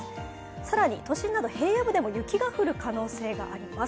更に都心など平野部でも雪が降る可能性があります。